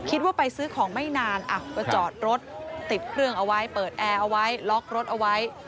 คิดว่าไปซื้อของไม่นานก็จอดรถติดเครื่องเอาไว้เปิดแอร์เอาไว้ล็อกรถเอาไว้